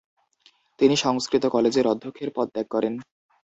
তিনি সংস্কৃত কলেজের অধ্যক্ষের পদ ত্যাগ করেন।